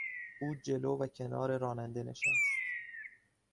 او جلو و کنار راننده نشست.